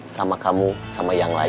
sama kamu sama yang lain